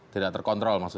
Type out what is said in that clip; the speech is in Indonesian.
tidak terkontrol maksudnya